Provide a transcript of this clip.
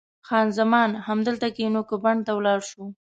خان زمان: همدلته کښېنو که بڼ ته ولاړ شو؟